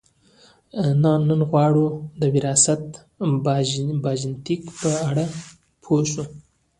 نن غواړو د وراثت یا ژنیتیک په اړه پوه شو